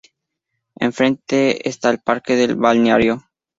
Enfrente está el parque del balneario.